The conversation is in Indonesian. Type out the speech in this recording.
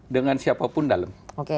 dengan siapapun dalam